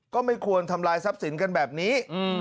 ก็ไม่ควรทำลายทรัพย์สินกันแบบนี้